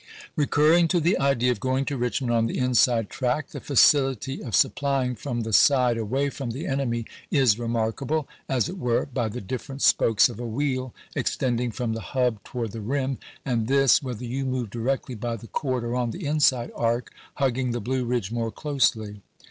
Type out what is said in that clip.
Recurring to the idea of going to Richmond on the inside track, the facility of supplying from the side away from the enemy is remarkable, as it were, by the different spokes of a wheel extending from the hub toward the rim, and this, whether you move directly by the chord or on the inside arc, hugging the Blue Ridge more closely.